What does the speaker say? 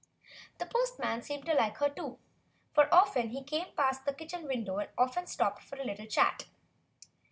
The postman seemed to like her, too, for he always came past the kitchen window and often stopped for a little chat.